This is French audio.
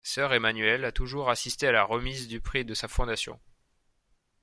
Sœur Emmanuelle a toujours assisté à la remise du prix de sa Fondation.